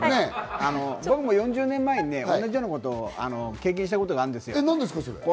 僕も４０年前に同じようなことを経験したことあるんですよ。